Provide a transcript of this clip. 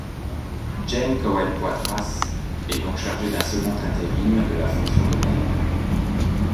Jane Cowell-Poitras est donc chargée d'un second intérim de la fonction de maire.